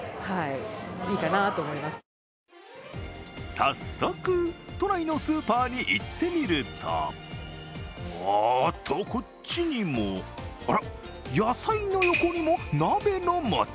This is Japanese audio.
早速、都内のスーパーに行ってみるとおっと、こっちにも、野菜の横にも鍋の素。